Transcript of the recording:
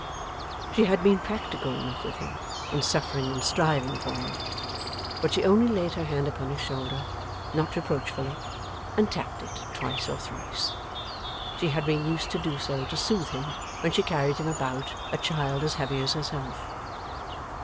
She had been practical enough with him, in suffering and striving for him; but she only laid her hand upon his shoulder not reproachfully and tapped it twice or thrice. She had been used to do so, to soothe him when she carried him about, a child as heavy as herself.